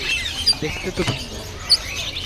দেখতে তো ভিন্ন।